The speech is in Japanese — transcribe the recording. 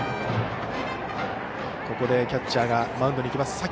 ここでキャッチャーがマウンドに行きます。